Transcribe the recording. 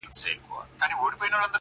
دا هوښیاري نه غواړم، عقل ناباب راکه.